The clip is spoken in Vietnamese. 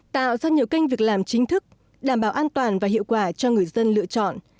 tạo ra nhiều kênh việc làm chính thức đảm bảo an toàn và hiệu quả cho người dân lựa chọn